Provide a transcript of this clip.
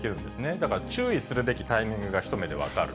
だから注意するべきタイミングが一目で分かる。